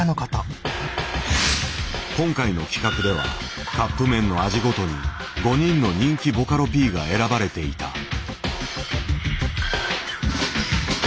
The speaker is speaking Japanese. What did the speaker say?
今回の企画ではカップ麺の味ごとに５人の人気ボカロＰが選ばれていた。